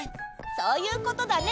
そういうことだね！